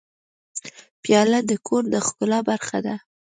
پیاله د کور د ښکلا برخه ده.